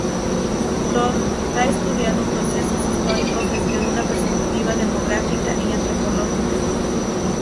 Todd ha estudiado procesos históricos desde una perspectiva demográfica y antropológica.